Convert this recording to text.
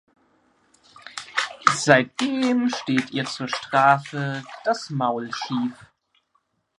Seitdem steht ihr zur Strafe das Maul schief.